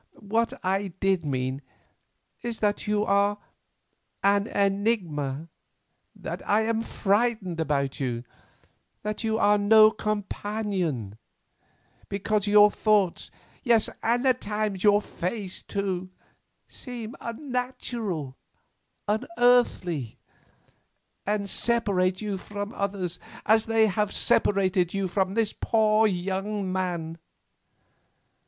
"What I did mean is that you are an enigma; that I am frightened about you; that you are no companion; because your thoughts—yes, and at times your face, too—seem unnatural, unearthly, and separate you from others, as they have separated you from this poor young man."